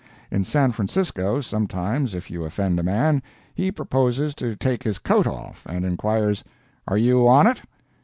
In San Francisco, sometimes if you offend a man, he proposes to take his coat off, and inquires, "Are you on it?"